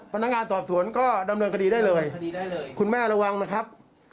พนักงานสอบสวนก็ดำเนินคดีได้เลยคุณแม่ระวังนะครับ